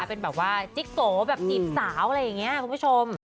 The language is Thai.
เป็นแบบว่าจิ๊กโกแบบจีบสาวอะไรอย่างนี้คุณผู้ชม